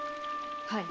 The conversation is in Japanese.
はい。